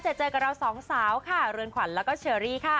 เจอเจอกับเราสองสาวค่ะเรือนขวัญแล้วก็เชอรี่ค่ะ